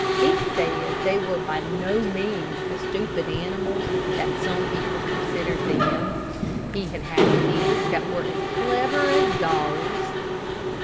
He said they were by no means the stupid animals that some people considered them. He had had pigs that were as clever as dogs.